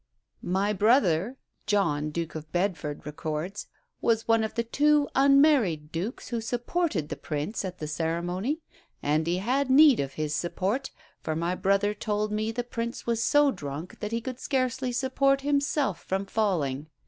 "My brother," John, Duke of Bedford, records, "was one of the two unmarried dukes who supported the Prince at the ceremony, and he had need of his support; for my brother told me the Prince was so drunk that he could scarcely support himself from falling.